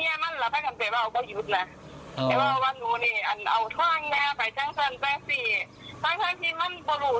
เออมันมาถูกความผิดแล้วไปงับเพื่อนหรือบางต้องหัวทั้งเงี้ยมัน